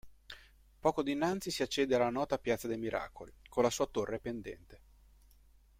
Poco distante si accede alla nota piazza dei Miracoli, con la sua torre pendente.